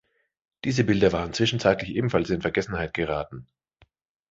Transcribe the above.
Diese Bilder waren zwischenzeitlich ebenfalls in Vergessenheit geraten.